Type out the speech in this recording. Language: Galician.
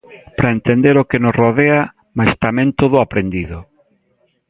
Para entender o que nos rodea, mais tamén todo o aprendido.